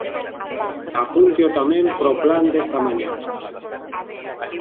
Apúnteo tamén para o plan desta mañá.